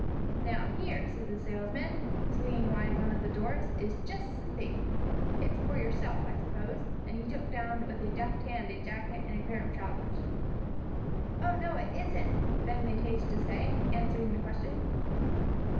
"Now, here," said the salesman, swinging wide one of the doors, "is just the thing. It's for yourself, I suppose," and he took down with a deft hand a jacket and a pair of trousers. "Oh, no, it isn't," Ben made haste to say, answering the question.